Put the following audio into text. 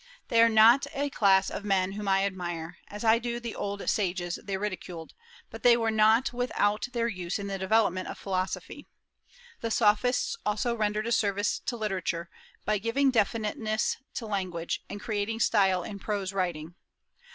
They are not a class of men whom I admire, as I do the old sages they ridiculed, but they were not without their use in the development of philosophy. The Sophists also rendered a service to literature by giving definiteness to language, and creating style in prose writing.